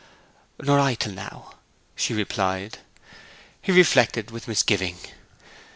'Nor I, till now,' she replied. He reflected with misgiving.